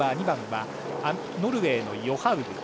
２番はノルウェーのヨハウグ。